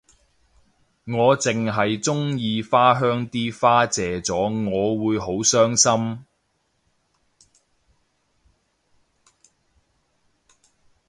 我淨係鍾意花香啲花謝咗我會好傷心